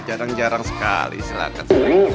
jarang jarang sekali silahkan